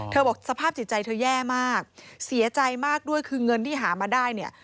เธอบอกว่าสภาพจิตใจเธอแย่มากสิร์ธใจมากด้วยคือเงินหามาได้เนี่ย